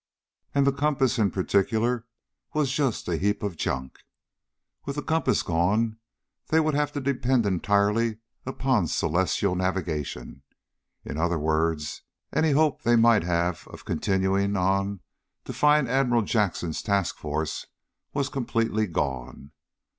And the compass in particular was just a heap of junk. With the compass gone they would have to depend entirely upon celestial navigation. In other words, any hope they might have of continuing on to find Admiral Jackson's task force was completely gone.